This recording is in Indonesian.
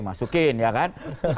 masukin ya kan